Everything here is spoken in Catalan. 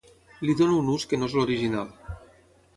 Li dono un ús que no és l'original.